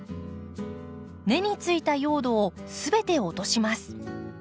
根についた用土を全て落とします。